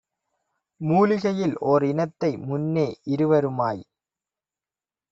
மூலிகையில் ஓர்இனத்தை முன்னே இருவருமாய்